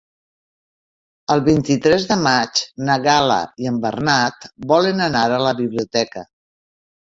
El vint-i-tres de maig na Gal·la i en Bernat volen anar a la biblioteca.